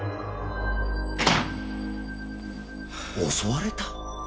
襲われた！？